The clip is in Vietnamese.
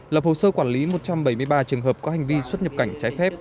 lập hồ sơ quản lý một trăm bảy mươi ba trường hợp có hành vi xuất nhập cảnh trái phép